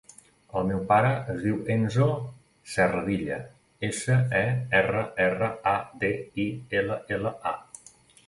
El meu pare es diu Enzo Serradilla: essa, e, erra, erra, a, de, i, ela, ela, a.